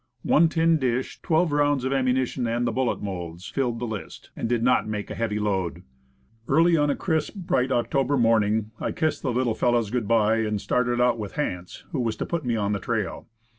One tin dish, twelve rounds of ammuni tion, and the bullet molds, filled the list, and did not make a heavy load. Early on a crisp, bright October morning I kissed the little fellows good bye, and started out with Hance, who was to put me on the trail.